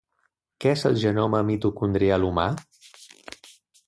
Què és el genoma mitocondrial humà?